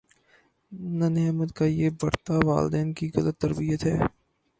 ننھے احمد کا یہ برتا والدین کی غلط تربیت ہے